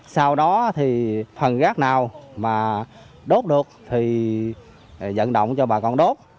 sau đó thì phần rác nào mà đốt được thì vận động cho bà con đốt